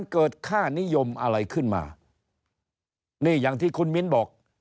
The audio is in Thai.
เกิดค่านิยมอะไรขึ้นมานี่อย่างที่คุณมิ้นบอก